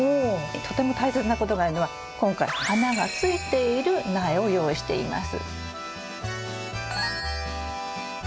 とても大切なことなのは今回花がついている苗を用意しています。